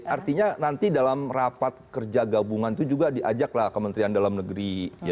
artinya nanti dalam rapat kerja gabungan itu juga diajaklah kementerian dalam negeri